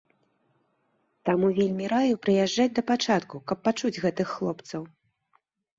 Таму вельмі раю прыязджаць да пачатку, каб пачуць гэтых хлопцаў.